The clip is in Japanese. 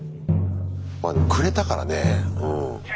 まあでもくれたからねぇうん。